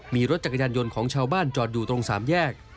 มีรถจักรยานยนต์ของชาวบ้านจอดอยู่ตรงสามแยก